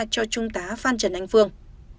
cho trung tá phan trần anh phương